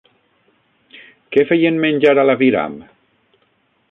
Què feien menjar a l'aviram?